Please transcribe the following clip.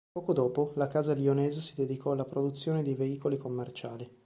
Poco dopo, la Casa lionese si dedicò alla produzione di veicoli commerciali.